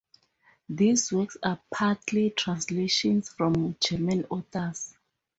These works are partly translations from German authors.